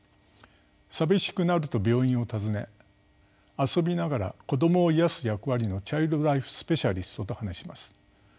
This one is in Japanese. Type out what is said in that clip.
寂しくなると病院を訪ね遊びながら子供を癒やす役割のチャイルドライフスペシャリストと話します。